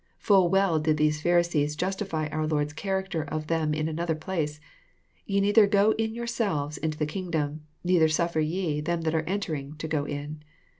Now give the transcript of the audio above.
Full well did these Pharisees justify our Lord's character of them In another place :'< Ye neither go in yourselves into the kingdom : neither suffer ye them that are entering to go in."